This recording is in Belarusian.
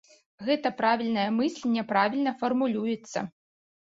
Гэта правільная мысль няправільна фармулюецца.